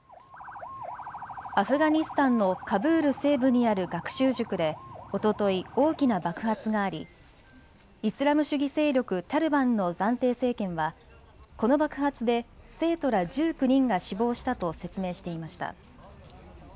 アフガニスタンのカブール西部にある学習塾でおととい、大きな爆発がありイスラム主義勢力タリバンの暫定政権はこの爆発で生徒ら１９人が死亡したと説明していました。